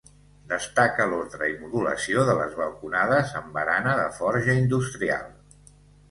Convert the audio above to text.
Destaca l'ordre i modulació de les balconades amb barana de forja industrial.